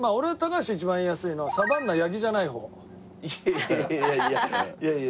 いやいやいやいや。